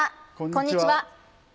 こんにちは。